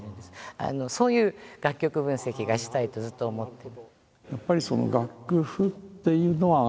そういう楽曲分析がしたいとずっと思って。